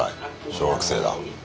小学生だ。